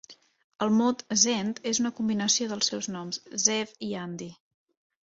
El mot Zend és una combinació dels seus noms, Zeev i Andi.